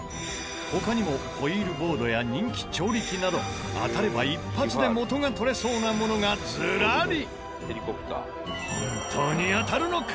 他にもホイールボードや人気調理器など当たれば一発で元が取れそうなものがずらり。